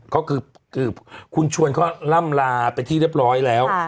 ก็คือคุณชวนเขาล่ำลาเป็นที่เรียบร้อยแล้ว